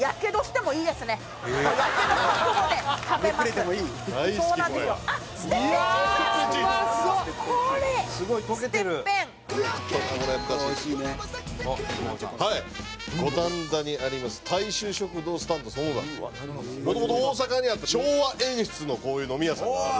もともと大阪にあった昭和演出のこういう飲み屋さんが。